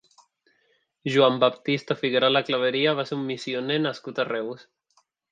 Joan Baptista Figuerola Claveria va ser un missioner nascut a Reus.